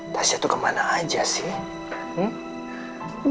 tasya tuh kemana aja sih